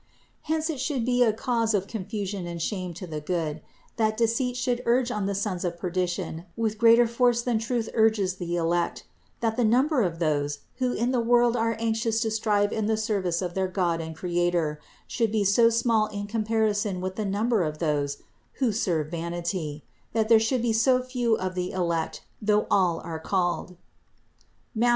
Hence it should be a cause of confusion and shame to the good, that deceit should urge on the sons of perdition with greater force than truth urges the elect ; that the number of those, who in the world are anxious to strive in the service of their God and Creator, should be so small in comparison with the number of those who serve vanity; that there should be so few of the elect, though all are called (Matth.